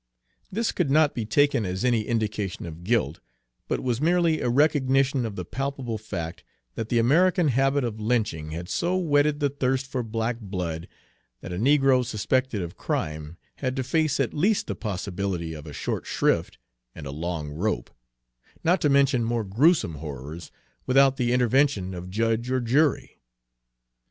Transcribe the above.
This could not be taken as any indication of guilt, but was merely a recognition of the palpable fact that the American habit of lynching had so whetted the thirst for black blood that a negro suspected of crime had to face at least the possibility of a short shrift and a long rope, not to mention more gruesome horrors, without the intervention of judge or jury.